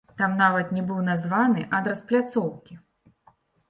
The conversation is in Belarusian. Там нават не быў названы адрас пляцоўкі!